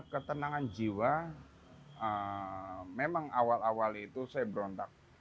ketenangan jiwa memang awal awal itu saya berontak